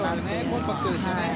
コンパクトですよね。